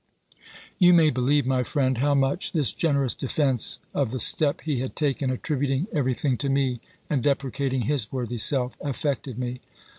You may believe, my friend, how much this generous defence of the step he had taken, attributing every thing to me, and deprecating his worthy self, affected me.